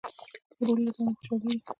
ورور له تا نه خوشحالېږي.